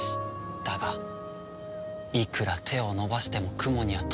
だがいくら手を伸ばしても雲には届かない。